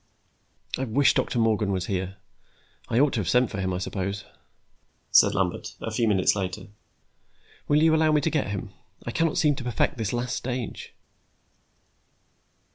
"I wish Doctor Morgan were here; I ought to have sent for him, I suppose," said Lambert, a few minutes later. "Will you allow me to get him? I cannot seem to perfect this last stage."